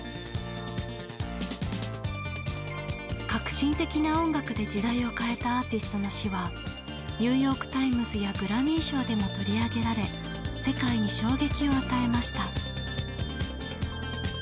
革新的な音楽で時代を変えたアーティストの死はニューヨーク・タイムズやグラミー賞でも取り上げられ世界に衝撃を与えました。